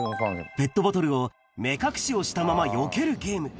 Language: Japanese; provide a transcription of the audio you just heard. ペットボトルを、目隠しをしたままよけるゲーム。